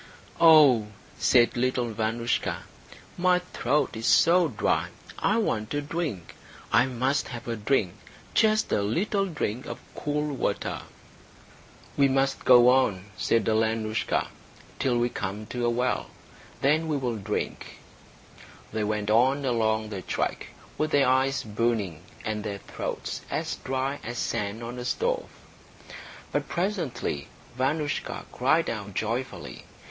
"Oh," said little Vanoushka, "my throat is so dry. I want a drink. I must have a drink just a little drink of cool water." "We must go on," said Alenoushka, "till we come to a well. Then we will drink." They went on along the track, with their eyes burning and their throats as dry as sand on a stove. But presently Vanoushka cried out joyfully.